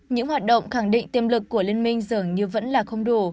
những hoạt động khẳng định tiềm lực của liên minh dường như vẫn là không đủ